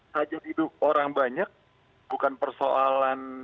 hajat hidup orang banyak bukan persoalan